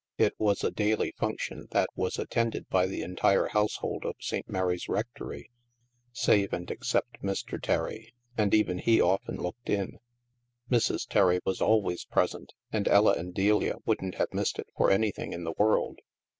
It was a daily function that was attended by the entire household of St. Mary's Rectory, save and except Mr. Terry, and even he often looked in. Mrs. Terry was always present, and Ella and Delia wouldn't have missed it for anything in the world.